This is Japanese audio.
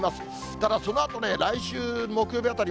ただそのあと来週木曜日あたり